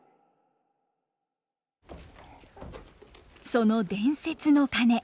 その伝説の鐘